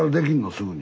すぐに。